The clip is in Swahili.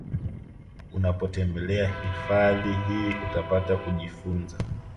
Unapotembelea hifafadhi hii unapata kujifunza